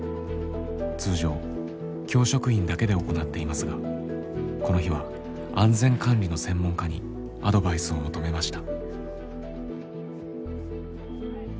通常教職員だけで行っていますがこの日は安全管理の専門家にアドバイスを求めました。